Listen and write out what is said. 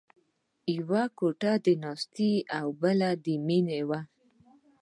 یوه کوټه د ناستې او بله د مینې وه